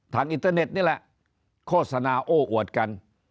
อินเทอร์เน็ตนี่แหละโฆษณาโอ้อวดกัน